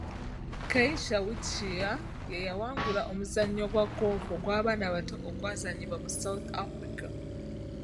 Keisha Witshire ye yawangula omuzannyo gwa goofu ogw'abaana abato ogwazannyibwa mu South Africa.